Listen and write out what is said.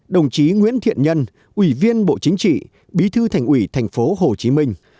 đồng chí nguyễn thiện nhân ủy viên bộ chính trị bí thư thành ủy thành phố hồ chí minh